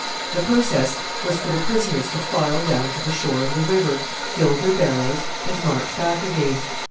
The process was for the prisoners to file down to the shore of the river, fill their barrows, and march back again.